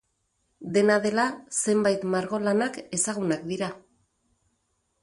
Dena dela, zenbait margolanak ezagunak dira.